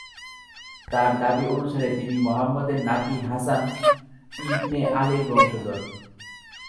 তার দাবি অনুসারে তিনি মুহাম্মাদের নাতি হাসান ইবনে আলির বংশধর।